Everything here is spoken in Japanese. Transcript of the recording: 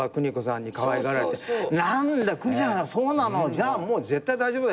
じゃあもう絶対大丈夫だよ。